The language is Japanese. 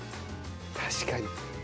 確かに。